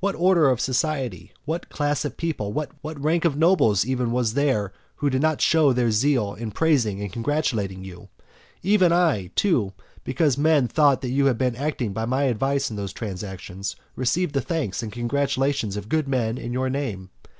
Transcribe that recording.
What order of society, what class of people, what rank of nobles even was there who did not then show their zeal in praising and congratulating you? Even I, too, because men thought that you had been acting by my advice in those transactions, received the thanks and congratulations of good men in your name.